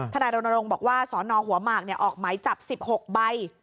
ธนายโบรณารงค์บอกว่าศนหัวหมากเนี่ยออกไม้จับ๑๖ใบ